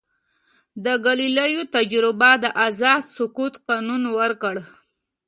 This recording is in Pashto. د ګالیلیو تجربه د آزاد سقوط قانون ورکړ.